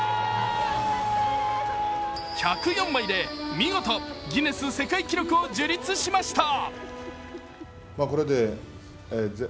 １０４枚で見事、ギネス世界記録を樹立しました。